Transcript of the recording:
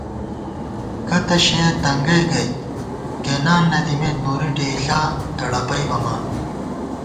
کتّہ شَیَہ تنگَئ گَئیت گېنان نَدِمېت نوری، ڈېئیݪا دڑَپئ بَمان